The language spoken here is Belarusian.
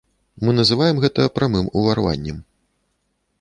Мы называем гэта прамым уварваннем.